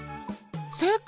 正解！